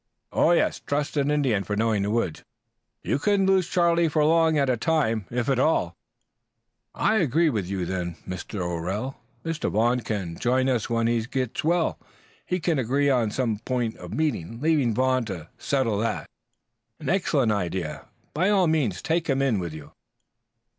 "Yes. Trust an Indian for knowing the woods. You couldn't lose Charlie for long at a time, if at all." "I agree with you then, Mr. O'Rell. Mr. Vaughn can join us again when he gets well. We can agree on some point of meeting, leaving Vaughn to settle that. An excellent idea. By all means take him in with you."